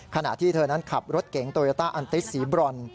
ขณะที่เธอนั้นขับรถเก๋งโตโยต้าอันติสีบรอน